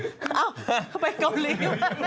เข้าไปเกาหลี